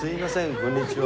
こんにちは。